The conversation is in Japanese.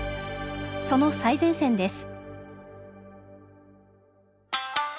その最前線です。